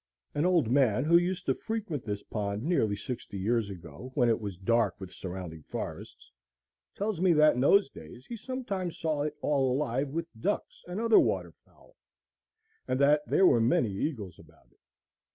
An old man who used to frequent this pond nearly sixty years ago, when it was dark with surrounding forests, tells me that in those days he sometimes saw it all alive with ducks and other water fowl, and that there were many eagles about it.